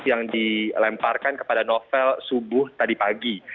yang dilemparkan kepada novel subuh tadi pagi